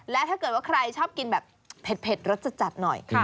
และถ้าเกิดว่าใครชอบกินแบบเผ็ดรสจัดหน่อย